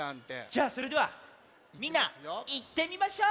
じゃあそれではみんないってみましょう！